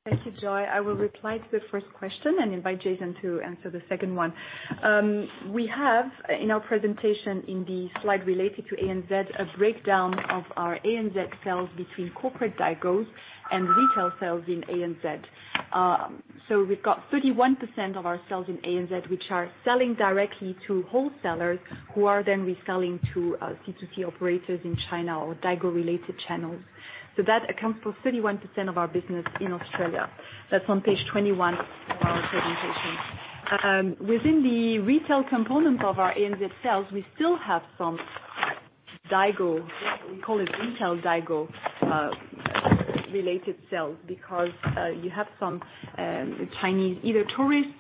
Thank you, Joy. I will reply to the first question and invite Jason to answer the second one. We have, in our presentation in the slide related to ANZ, a breakdown of our ANZ sales between corporate Daigous and retail sales in ANZ. We've got 31% of our sales in ANZ, which are selling directly to wholesalers who are then reselling to C2C operators in China or Daigou-related channels. That accounts for 31% of our business in Australia. That's on page 21 of our presentation. Within the retail component of our ANZ sales, we still have some Daigou, we call it retail Daigou-related sales, because you have some Chinese, either tourists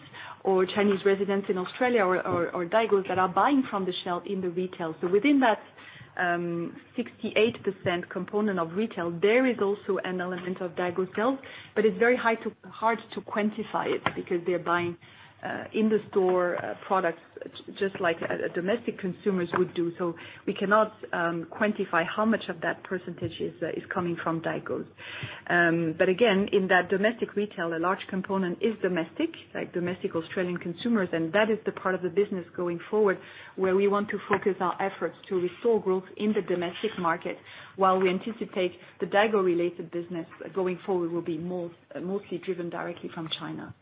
or Chinese residents in Australia or Daigous that are buying from the shelf in the retail. Within that-68% component of retail, there is also an element of Daigou sales, but it's very hard to quantify it because they're buying in the store products just like domestic consumers would do. We cannot quantify how much of that percentage is coming from Daigou. Again, in that domestic retail, a large component is domestic, like domestic Australian consumers, and that is the part of the business going forward, where we want to focus our efforts to restore growth in the domestic market while we anticipate the Daigou-related business going forward will be mostly driven directly from China.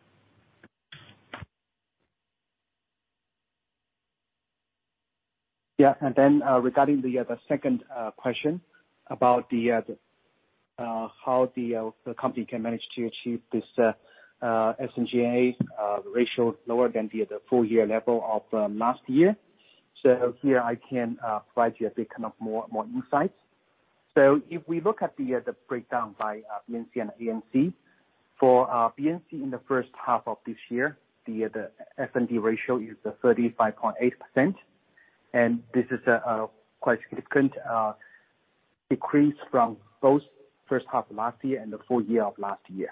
Yeah. Regarding the second question about how the company can manage to achieve this SG&A ratio lower than the other full-year level of last year. Here I can provide you a bit more insight. If we look at the breakdown by BNC and ANC. For BNC in the first-half of this year, the SG&A ratio is 35.8%. This is a quite significant decrease from both first-half of last year and the full-year of last year.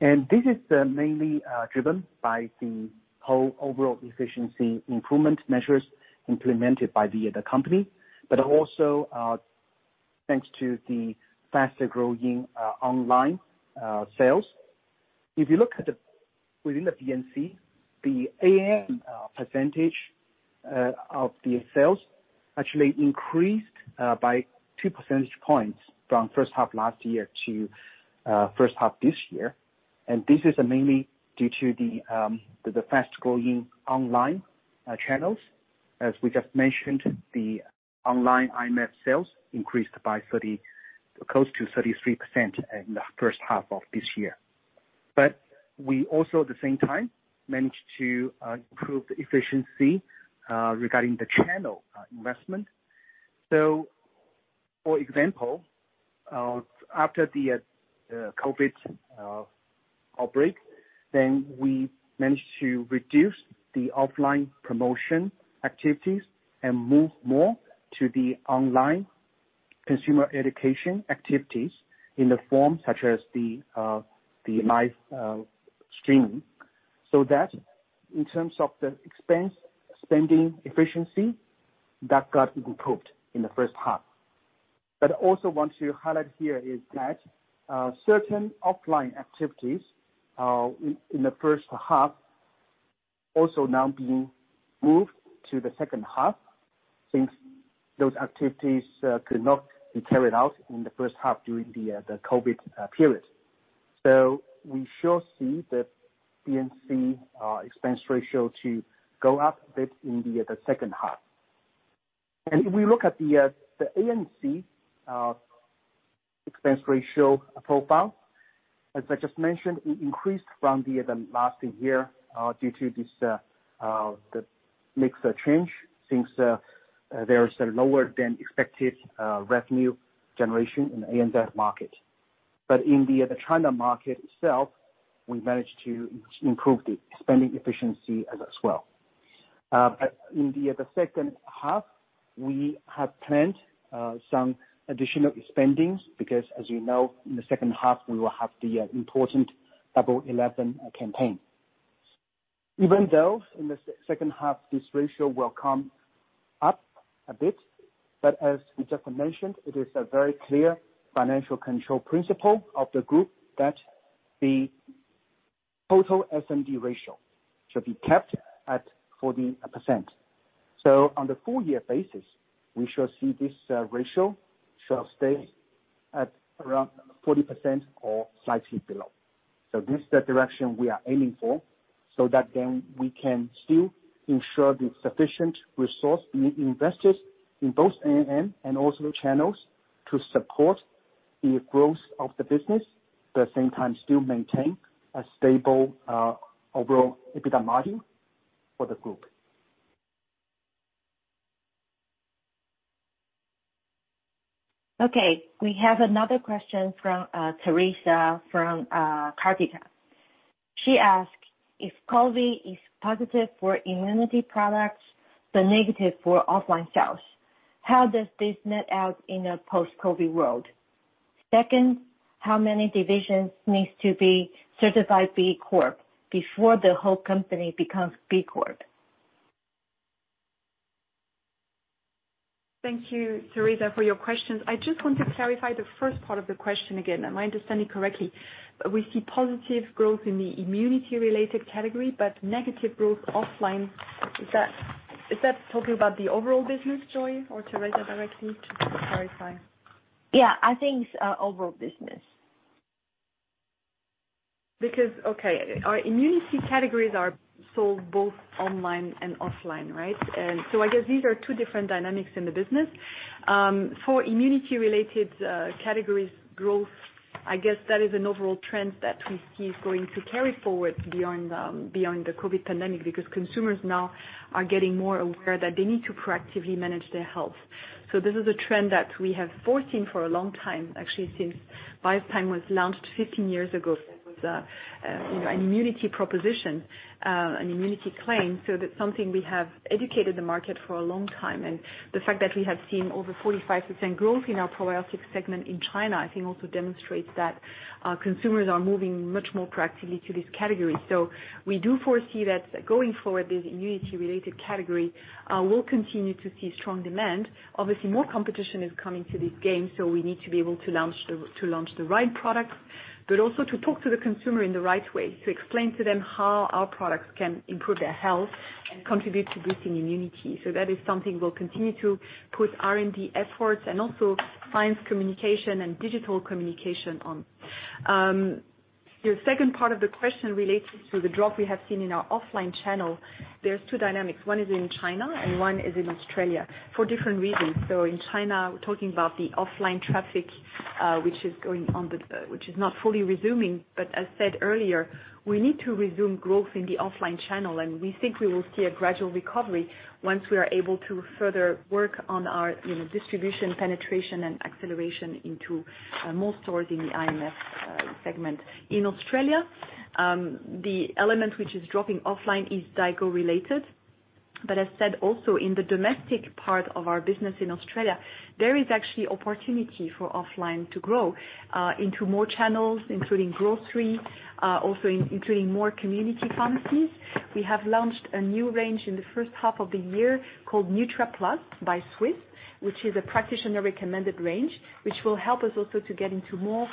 This is mainly driven by the whole overall efficiency improvement measures implemented by the other company, also thanks to the faster-growing online sales. If you look within the BNC, the ANC percentage of the sales actually increased by two percentage points from first-half last year to first-half this year. This is mainly due to the fast-growing online channels. As we just mentioned, the online IMF sales increased by close to 33% in the first half of this year. We also, at the same time, managed to improve the efficiency regarding the channel investment. For example, after the COVID-19 outbreak, then we managed to reduce the offline promotion activities and move more to the online consumer education activities in the form, such as the live streaming. That in terms of the expense spending efficiency, that got improved in the first half. Also want to highlight here is that certain offline activities in the first half also now being moved to the second half, since those activities could not be carried out in the first half during the COVID-19 period. We sure see the BNC expense ratio to go up a bit in the second half. If we look at the ANC expense ratio profile, as I just mentioned, it increased from the last year due to this mix change. Since there is a lower than expected revenue generation in the ANC market. In the other China market itself, we managed to improve the spending efficiency as well. In the second half, we have planned some additional spendings because, as you know, in the second half, we will have the important Double 11 campaign. Even though in the second half, this ratio will come up a bit, but as we just mentioned, it is a very clear financial control principle of the group that the total S&D ratio should be kept at 40%. On the full year basis, we should see this ratio should stay at around 40% or slightly below. This is the direction we are aiming for so that then we can still ensure the sufficient resource invested in both ANC and also channels to support the growth of the business, at the same time, still maintain a stable overall EBITDA margin for the group. Okay. We have another question from Teresa from Cartica. She asked if COVID is positive for immunity products, but negative for offline sales. How does this net out in a post-COVID world? Second, how many divisions needs to be certified B Corp before the whole company becomes B Corp? Thank you, Teresa, for your questions. I just want to clarify the first part of the question again. Am I understanding correctly? We see positive growth in the immunity-related category, but negative growth offline. Is that talking about the overall business, Joy, or Teresa directly? Just to clarify. Yeah, I think it's overall business. Okay, our immunity categories are sold both online and offline, right? I guess these are two different dynamics in the business. For immunity-related categories growth, I guess that is an overall trend that we see is going to carry forward beyond the COVID pandemic, because consumers now are getting more aware that they need to proactively manage their health. This is a trend that we have foreseen for a long time, actually since Biostime was launched 15 years ago. That was an immunity proposition, an immunity claim. That's something we have educated the market for a long time, and the fact that we have seen over 45% growth in our probiotic segment in China, I think also demonstrates that consumers are moving much more proactively to this category. We do foresee that going forward, this immunity related category will continue to see strong demand. Obviously, more competition is coming to this game, so we need to be able to launch the right products, but also to talk to the consumer in the right way, to explain to them how our products can improve their health and contribute to boosting immunity. That is something we'll continue to put R&D efforts and also science communication and digital communication on. Your second part of the question related to the drop we have seen in our offline channel. There's two dynamics. One is in China and one is in Australia, for different reasons. In China, we're talking about the offline traffic which is not fully resuming, as said earlier, we need to resume growth in the offline channel, and we think we will see a gradual recovery once we are able to further work on our distribution, penetration, and acceleration into more stores in the IMF segment. In Australia, the element which is dropping offline is Daigou-related. As said, also in the domestic part of our business in Australia, there is actually opportunity for offline to grow into more channels, including grocery, also including more community pharmacies. We have launched a new range in the first half of the year called Nutra+ by Swisse, which is a practitioner-recommended range, which will help us also to get into more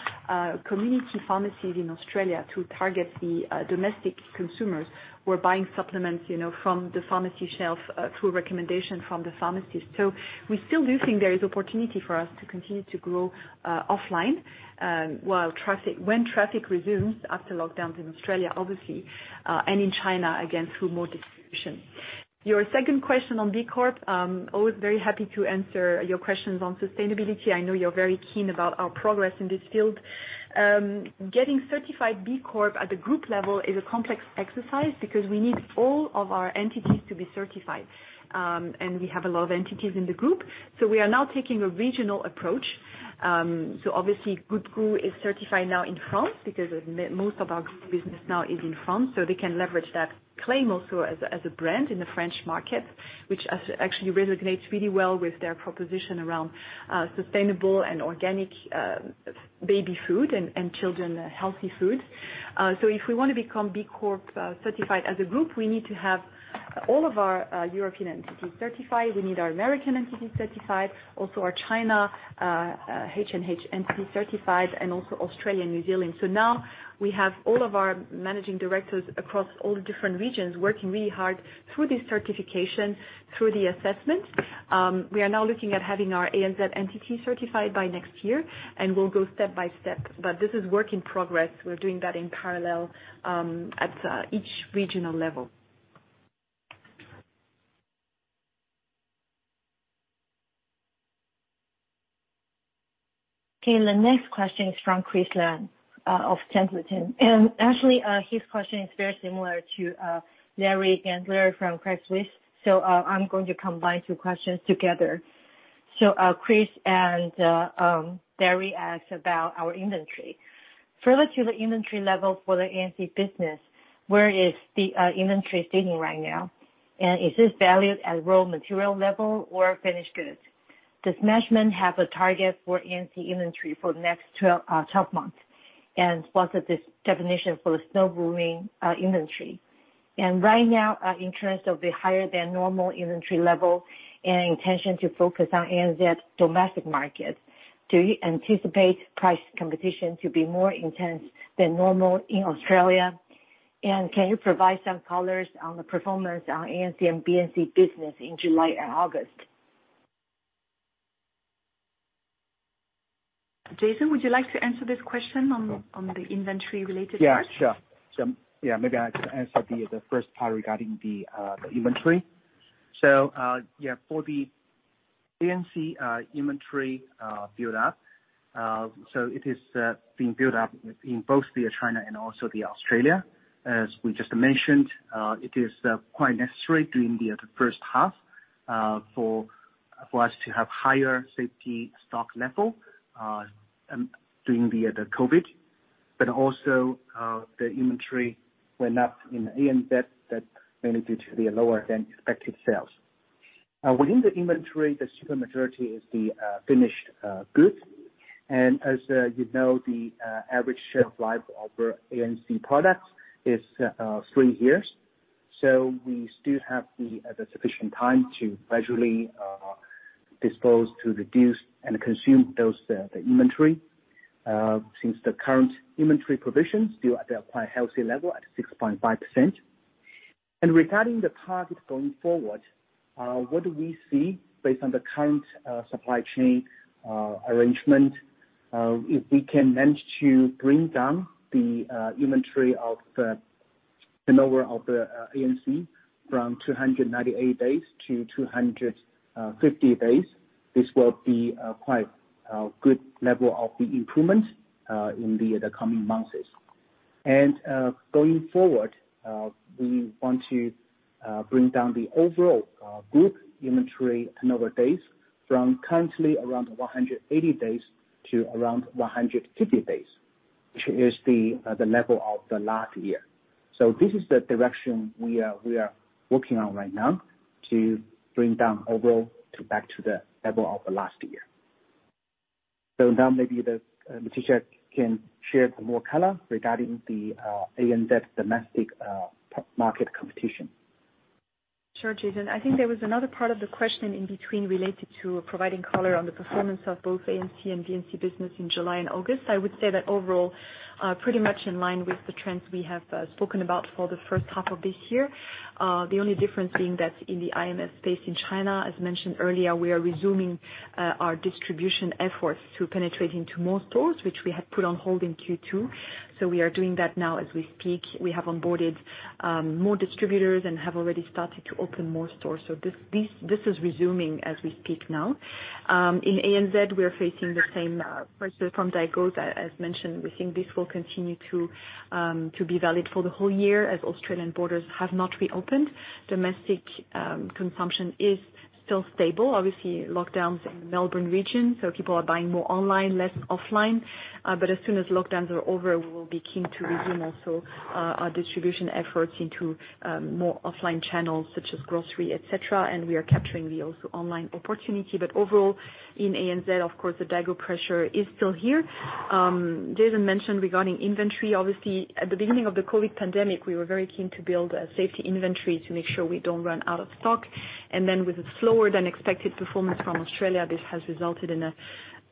community pharmacies in Australia to target the domestic consumers who are buying supplements from the pharmacy shelf through a recommendation from the pharmacist. We still do think there is opportunity for us to continue to grow offline, when traffic resumes after lockdowns in Australia, obviously, and in China, again, through more distribution. Your second question on B Corp. Always very happy to answer your questions on sustainability. I know you're very keen about our progress in this field. Getting certified B Corp at the group level is a complex exercise because we need all of our entities to be certified, and we have a lot of entities in the group. We are now taking a regional approach. Obviously GOOD GOÛT is certified now in France because most of our group business now is in France, so they can leverage that claim also as a brand in the French market, which actually resonates really well with their proposition around sustainable and organic baby food and children healthy food. If we want to become B Corp certified as a group, we need to have all of our European entities certified. We need our American entities certified, also our China H&H entity certified, and also Australia and New Zealand. Now we have all of our managing directors across all different regions working really hard through the certification, through the assessment. We are now looking at having our ANZ entity certified by next year, and we'll go step by step. This is work in progress. We're doing that in parallel at each regional level. Okay. The next question is from Chris Leung of Templeton, and actually, his question is very similar to Larry from Credit Suisse. I'm going to combine two questions together. Chris and Larry asked about our inventory. Further to the inventory level for the ANC business, where is the inventory standing right now? Is this valued at raw material level or finished goods? Does management have a target for ANC inventory for the next 12 months? What is the definition for the slow-moving inventory? Right now, in terms of the higher than normal inventory level and intention to focus on ANZ domestic markets, do you anticipate price competition to be more intense than normal in Australia? Can you provide some colors on the performance on ANC and BNC business in July and August? Jason, would you like to answer this question on the inventory related part? Yeah, sure. Maybe I can answer the first part regarding the inventory. For the BNC inventory build-up, it is being built up in both China and also Australia. As we just mentioned, it is quite necessary during the first half for us to have higher safety stock level during the COVID, but also the inventory went up in ANZ. That's mainly due to the lower than expected sales. Within the inventory, the super majority is the finished goods. As you know, the average shelf life of ANC products is three years. We still have the sufficient time to gradually dispose, to reduce and consume those inventory, since the current inventory provisions still at a quite healthy level at 6.5%. Regarding the target going forward, what do we see based on the current supply chain arrangement? If we can manage to bring down the inventory turnover of the ANC from 298 days-250 days. This will be quite a good level of the improvement in the coming months. Going forward, we want to bring down the overall group inventory turnover days from currently around 180 days to around 150 days, which is the level of the last year. This is the direction we are working on right now to bring down overall to back to the level of the last year. Now maybe Laetitia can share more color regarding the ANC domestic market competition. Sure, Jason. I think there was another part of the question in between related to providing color on the performance of both ANC and BNC business in July and August. I would say that overall, pretty much in line with the trends we have spoken about for the first half of this year. The only difference being that in the IMF space in China, as mentioned earlier, we are resuming our distribution efforts to penetrate into more stores, which we had put on hold in Q2. We are doing that now as we speak. We have onboarded more distributors and have already started to open more stores. This is resuming as we speak now. In ANZ, we are facing the same pressure from Daigous. As mentioned, we think this will continue to be valid for the whole year as Australian borders have not reopened. Domestic consumption is still stable. Obviously, lockdowns in Melbourne region, so people are buying more online, less offline. As soon as lockdowns are over, we will be keen to resume also our distribution efforts into more offline channels such as grocery, et cetera. We are capturing the also online opportunity. Overall in ANZ, of course, the Daigou pressure is still here. Jason mentioned regarding inventory. Obviously, at the beginning of the COVID-19 pandemic, we were very keen to build a safety inventory to make sure we don't run out of stock. With a slower than expected performance from Australia, this has resulted in a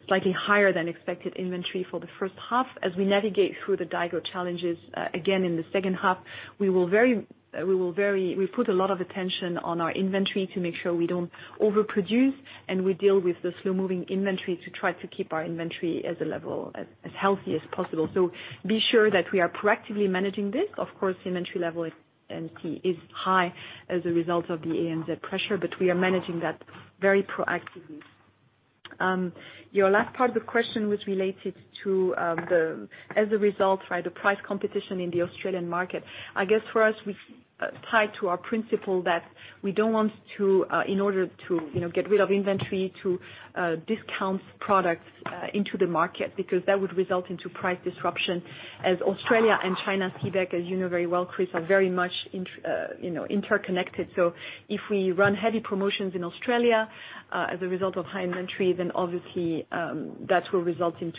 slightly higher than expected inventory for the first half. As we navigate through the Daigou challenges again in the second half, we put a lot of attention on our inventory to make sure we don't overproduce, and we deal with the slow-moving inventory to try to keep our inventory as healthy as possible. Be sure that we are proactively managing this. Of course, inventory level at ANC is high as a result of the ANZ pressure. We are managing that very proactively. Your last part of the question was related to as a result, the price competition in the Australian market. I guess for us, we tie to our principle that we don't want to, in order to get rid of inventory, to discount products into the market because that would result into price disruption as Australia and China, CBEC, as you know very well, Chris, are very much interconnected. If we run heavy promotions in Australia as a result of high inventory, then obviously that will result in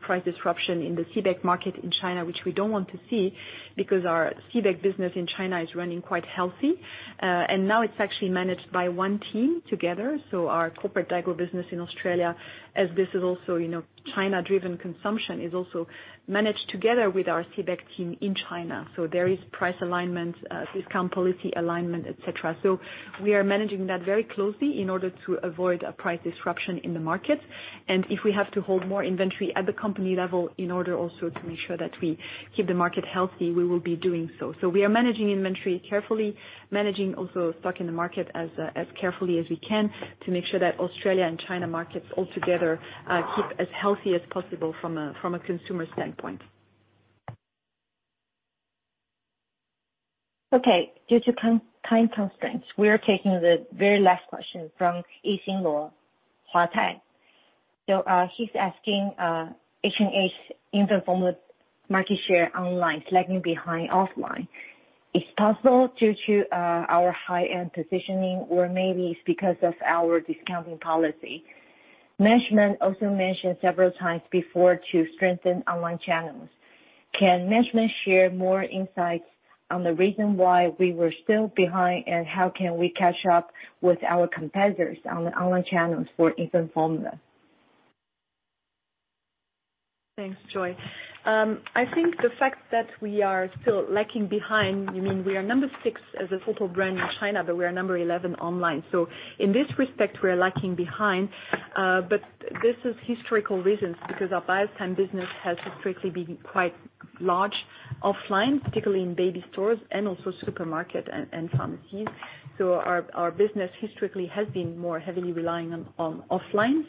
price disruption in the CBEC market in China, which we don't want to see because our CBEC business in China is running quite healthy. Now it's actually managed by one team together. Our corporate Daigou business in Australia, as this is also China-driven consumption, is also managed together with our CBEC team in China. There is price alignment, discount policy alignment, et cetera. We are managing that very closely in order to avoid a price disruption in the market. If we have to hold more inventory at the company level in order also to make sure that we keep the market healthy, we will be doing so. We are managing inventory carefully, managing also stock in the market as carefully as we can to make sure that Australia and China markets altogether keep as healthy as possible from a consumer standpoint. Okay. Due to time constraints, we are taking the very last question from Yixin Luo, Huatai. He's asking, H&H infant formula market share online lagging behind offline. It's possible due to our high-end positioning or maybe it's because of our discounting policy. Management also mentioned several times before to strengthen online channels. Can management share more insights on the reason why we were still behind, and how can we catch up with our competitors on the online channels for infant formula? Thanks, Joy. I think the fact that we are still lagging behind, you mean we are number six as a total brand in China. We are number 11 online. In this respect, we're lagging behind. This is historical reasons because our Biostime business has historically been quite large offline, particularly in baby stores and also supermarket and pharmacies. Our business historically has been more heavily relying on offline.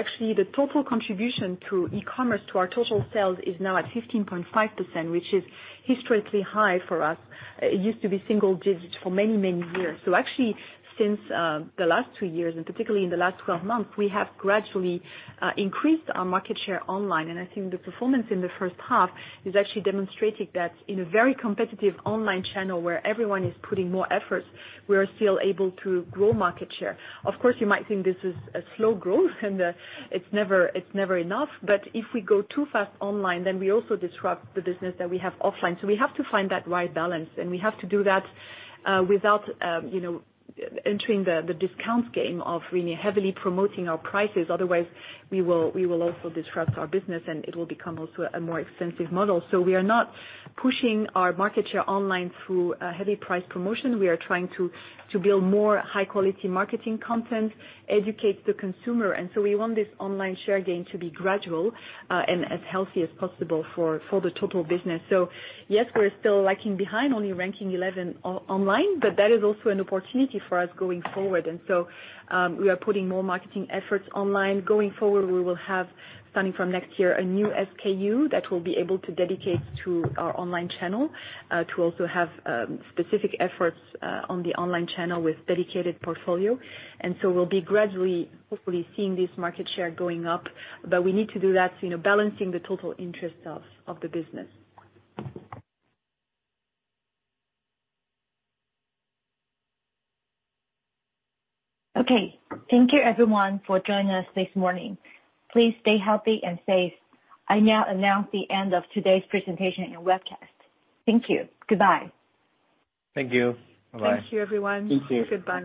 Actually, the total contribution through e-commerce to our total sales is now at 15.5%, which is historically high for us. It used to be single digits for many, many years. Actually, since the last two years, and particularly in the last 12 months, we have gradually increased our market share online. I think the performance in the first half is actually demonstrating that in a very competitive online channel where everyone is putting more efforts, we are still able to grow market share. Of course, you might think this is a slow growth, and it's never enough. If we go too fast online, then we also disrupt the business that we have offline. We have to find that right balance, and we have to do that without entering the discount game of really heavily promoting our prices. Otherwise, we will also disrupt our business, and it will become also a more expensive model. We are not pushing our market share online through heavy price promotion. We are trying to build more high-quality marketing content, educate the consumer. We want this online share gain to be gradual and as healthy as possible for the total business. Yes, we're still lagging behind, only ranking 11 online, but that is also an opportunity for us going forward. We are putting more marketing efforts online. Going forward, we will have, starting from next year, a new SKU that we'll be able to dedicate to our online channel to also have specific efforts on the online channel with dedicated portfolio. We'll be gradually, hopefully, seeing this market share going up. We need to do that balancing the total interest of the business. Okay. Thank you everyone for joining us this morning. Please stay healthy and safe. I now announce the end of today's presentation and webcast. Thank you. Goodbye. Thank you. Bye-bye. Thank you, everyone. Thank you. Goodbye.